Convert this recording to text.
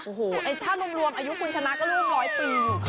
โอ้โหถ้ารวมอายุคุณชนะก็ร่วมร้อยปี